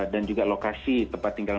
dan juga lokasi tempat tinggalnya